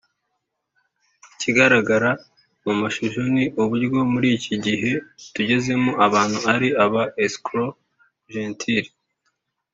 "Ikigaragara mu mashusho ni uburyo muri iki gihe tugezemo abantu ari aba escrot gentil